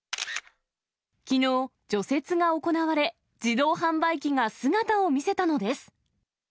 きのう、除雪が行われ、自動販売機が姿を見せたのです。